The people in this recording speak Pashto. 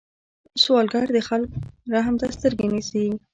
سوالګر د خلکو رحم ته سترګې نیسي